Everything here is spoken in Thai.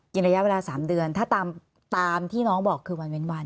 ใช่ค่ะกินระยะเวลาสามเดือนถ้าตามตามที่น้องบอกคือวันเว้นวัน